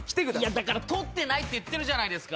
だから取ってないって言ってるじゃないですか！